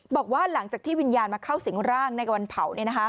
บอกว่าหลังจากที่วิญญาณมาเข้าสิงร่างในวันเผา